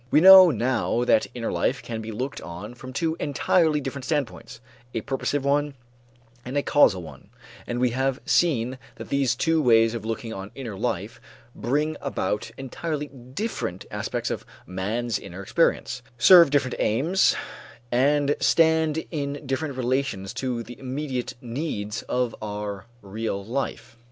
We know now that inner life can be looked on from two entirely different standpoints: a purposive one and a causal one, and we have seen that these two ways of looking on inner life bring about entirely different aspects of man's inner experience, serve different aims, and stand in different relations to the immediate needs of our real life.